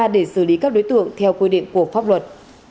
để xử lý các đối tượng theo quy định của pháp luật